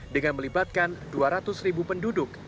dengan melibatkan dua ratus ribu penduduk